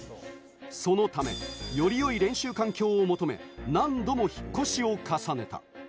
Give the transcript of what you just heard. そのため、より良い練習環境を求め、何度も引っ越しを重ねた。